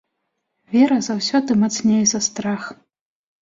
Вера заўсёды мацней за страх.